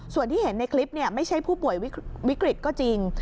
ส่วนที่เห็นในคลิปไม่ใช่ผู้ป่วยวิกฤตก็จริง